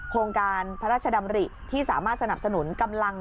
โครงการพระราชดำริที่สามารถสนับสนุนกำลัง